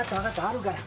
あるから。